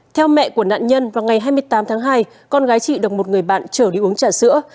theo mẹ của nạn nhân vào ngày hai mươi tám tháng hai con gái chị đồng một người bạn trở đi uống trà sữa